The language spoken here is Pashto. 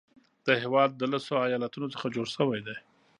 دا هیواد د لسو ایالاتونو څخه جوړ شوی دی.